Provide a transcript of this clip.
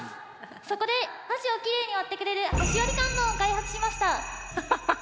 そこで箸をきれいに割ってくれる「箸割観音」を開発しました！